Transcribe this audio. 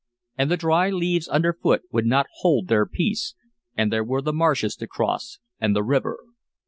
And the dry leaves underfoot would not hold their peace, and there were the marshes to cross and the river.